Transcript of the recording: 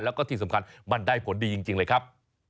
แล้วก็ที่สำคัญมันได้ผลดีจริงเลยครับ